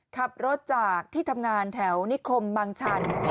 ขับรถจากที่ทำงานแถวนิคมบางชัน